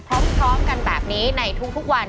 พร้อมกันแบบนี้ในทุกวัน